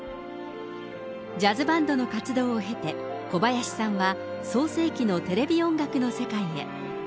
ジャズバンドの活動を経て、小林さんは、創成期のテレビ音楽の世界へ。